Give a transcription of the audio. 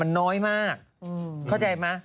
มันน้อยมากเค้าใจมั้ย